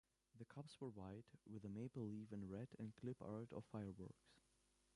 The cups were white, with a Maple Leaf in red, and clip-art of fireworks.